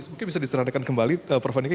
mungkin bisa diserahkan kembali prof hanika